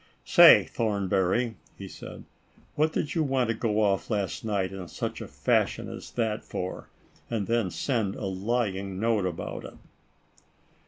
*" Say, Thornbury," said he, " what did you want to go off last night in such a fashion as that for, and then send a lying note about it